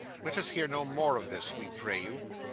Let us hear no more of this, we pray you.